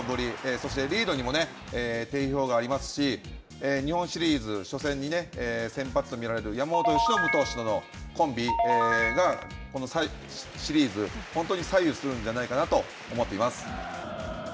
そしてリードにも定評がありますし、日本シリーズ、初戦に先発と見られる山本由伸投手との、コンビが、このシリーズ、本当に左右するんじゃないかなと思っています。